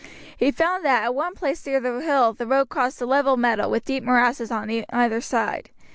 He found that at one place near the hill the road crossed a level meadow with deep morasses on either side.